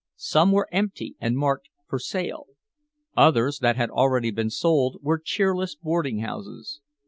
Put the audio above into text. Some were empty and marked for sale, others that had already been sold were cheerless boarding houses.